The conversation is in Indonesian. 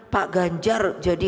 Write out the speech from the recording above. pak ganjar jadi